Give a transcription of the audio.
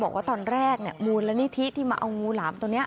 บอกว่าตอนแรกมูลนิธิที่มาเอางูหลามตัวนี้